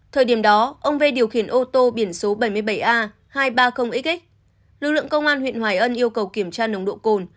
thời điểm đó ông v điều khiển ô tô biển số bảy mươi bảy a hai trăm ba mươi x lực lượng công an huyện hoài ân yêu cầu kiểm tra nồng độ cồn